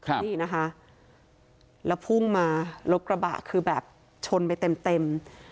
นี่นะคะแล้วพุ่งมารถกระบะคือแบบชนไปเต็มเต็ม